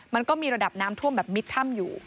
มันก็มีระดับน้ำท่วมแบบมิดถ้ำอยู่